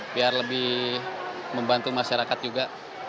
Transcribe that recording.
biar lebih membantu masyarakat juga